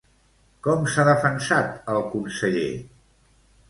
Com s'ha defensat el conseller?